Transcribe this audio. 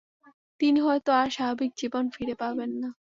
তিনি হয়তো আর স্বাভাবিক জীবন ফিরে পাবেন না।